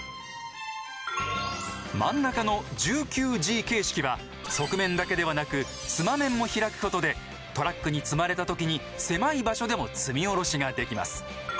真ん中の１９Ｇ形式は側面だけではなく妻面も開くことでトラックに積まれた時に狭い場所でも積み降ろしができます。